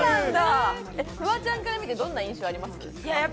フワちゃんから見てどんな印象ですか？